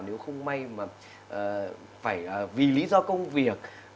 nếu không may mà phải vì lý do công việc